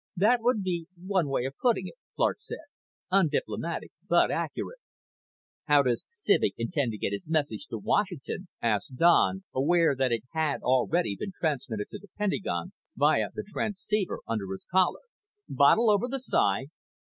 "That would be one way of putting it," Clark said. "Undiplomatic but accurate." "How does Civek intend to get his message to Washington?" asked Don, aware that it had already been transmitted to the Pentagon via the transceiver under his collar. "Bottle over the side?"